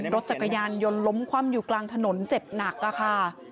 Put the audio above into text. รถจักรยานยนต์ล้มคว่ำอยู่กลางถนนเจ็บหนักค่ะ